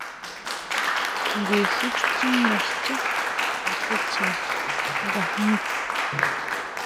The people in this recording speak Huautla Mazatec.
Jngu xú xchínga xchá atechá nga jñú.